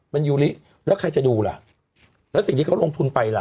เป็นยูริแล้วใครจะดูล่ะแล้วสิ่งที่เขาลงทุนไปล่ะ